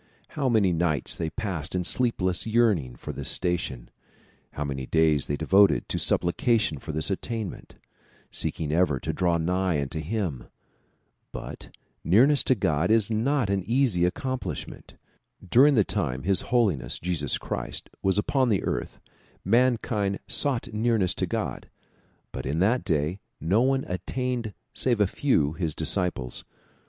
How many nights they passed in sleepless yearning for this station ; how many days they devoted to supplication for this attainment, seeking ever to draw nigh unto him ! But nearness to God is not an easy accomplishment. During the time His Holiness Jesus Christ was upon the earth mankind sought nearness to God, but in that day no one attained save a very few, his disciples.